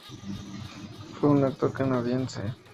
Fue un actor canadiense.